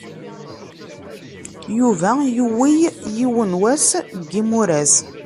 Yuba yuwey yiwen wass n yimuras.